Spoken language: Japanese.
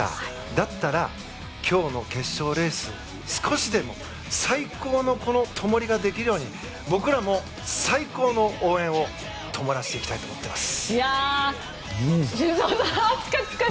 だったら、今日の決勝レース少しでも最高のともりができるように僕らも最高の応援をともらしていきたいです。